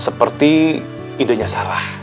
seperti idenya sarah